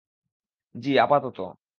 জি, আপাতত।